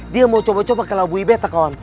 dia mau coba coba kelabui betta kawan